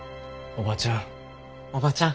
おばちゃん。